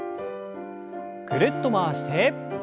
ぐるっと回して。